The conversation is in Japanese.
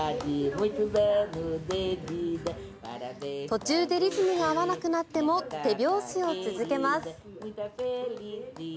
途中でリズムが合わなくなっても手拍子を続けます。